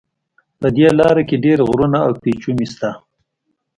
په دې لاره کې ډېر غرونه او پېچومي شته.